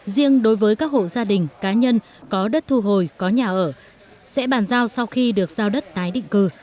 riêng đối với các hộ gia đình cá nhân có đất thu hồi có nhà ở sẽ bàn giao sau khi được giao đất tái định cư